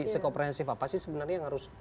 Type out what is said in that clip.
se komprehensif apa sih sebenarnya yang harus